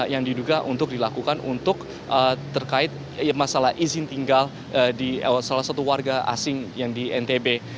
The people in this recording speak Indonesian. yang diduga untuk dilakukan untuk terkait masalah izin tinggal di salah satu warga asing yang di ntb